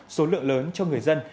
số lượng lớn cho người dân